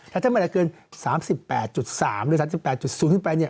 ถ้าไม่ได้เกิน๓๘๓หรือ๓๘๐ขึ้นไปเนี่ย